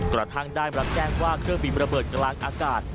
กระทั่งได้รับแจ้งว่าเครื่องบินระเบิดกลางอากาศ